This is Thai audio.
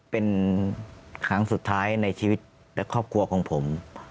เป็นครั้งสุดท้ายในชีวิตและครอบครัวของผม